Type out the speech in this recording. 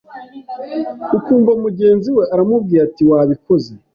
ukumva mugenzi we aramubwiye ati wabikoze